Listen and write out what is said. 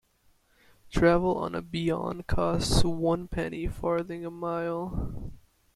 Travel on a 'Bian' cost one penny farthing a mile.